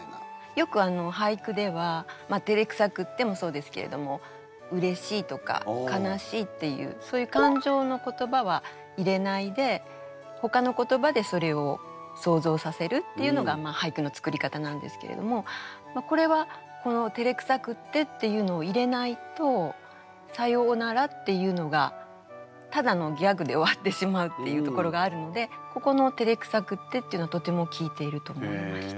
よく俳句では「照れくさくって」もそうですけれどもうれしいとか悲しいっていうそういう感情の言葉は入れないでほかの言葉でそれを想像させるっていうのが俳句の作り方なんですけれどもこれはこの「照れくさくって」っていうのを入れないと「さよおなら」っていうのがただのギャグで終わってしまうっていうところがあるのでここの「照れくさくって」っていうのはとても効いていると思いました。